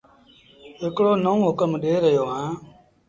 هڪڙو نئونٚ هُڪم ڏي رهيو اهآنٚ